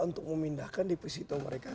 untuk memindahkan deposito mereka